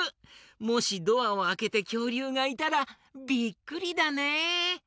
もしドアをあけてきょうりゅうがいたらびっくりだね！